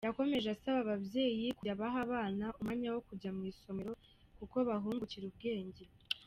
Yakomeje asaba ababyeyi kujya baha abana umwanya wo kujya mu isomero kuko bahungukira ubwenge.